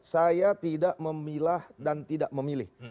saya tidak memilah dan tidak memilih